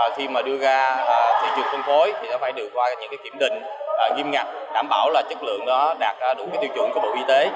khi đưa ra thị trường phân phối phải đưa qua những kiểm định nghiêm ngặt đảm bảo chất lượng đạt đủ tiêu chuẩn của bộ y tế